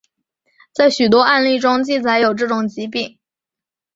在许多的案例中记载有这种疾病。